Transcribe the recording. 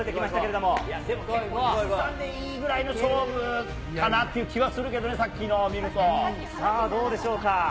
でも１・３でいいぐらいの勝負かなっていう気はするけどね、さあ、どうでしょうか。